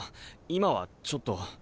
今はちょっと。